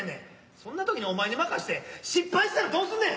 そんなときにお前に任して失敗したらどうすんねん！